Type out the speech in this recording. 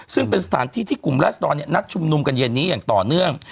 ซึ่งเป็นสถานที่ที่กลุ่มรัศดรนัดชุมนุมกันเย็นนี้อย่างต่อเนื่อง